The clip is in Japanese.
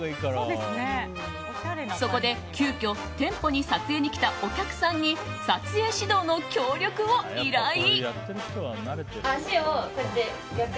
そこで急きょ店舗に撮影に来たお客さんに撮影指導の協力を依頼。